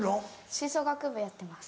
吹奏楽部やってます。